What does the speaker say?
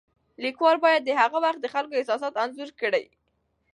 لیکوال باید د هغه وخت د خلکو احساسات انځور کړي.